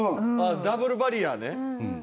ダブルバリアーね。